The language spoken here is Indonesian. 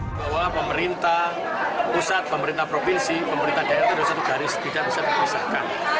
bahwa pemerintah pusat pemerintah provinsi pemerintah daerah itu sudah satu dari setidaknya bisa diperisahkan